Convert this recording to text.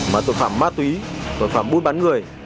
mà tội phạm ma túy tội phạm buôn bán người